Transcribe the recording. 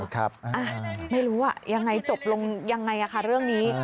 ไม่รู้อ่ะยังไงจบลงยังไงค่ะเรื่องนี้